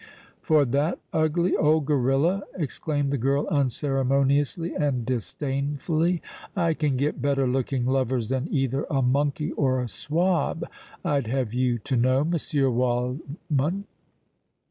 "For that ugly old gorilla!" exclaimed the girl, unceremoniously and disdainfully. "I can get better looking lovers than either a monkey or a Swab, I'd have you to know, Monsieur Waldmann!"